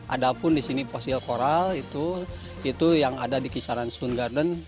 ada pun di sini fosil koral itu itu yang ada di kisaran stone garden